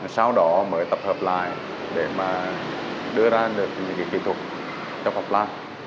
sau đó mới tập hợp lại để mà đưa ra được những cái kỹ thuật trong pháp nam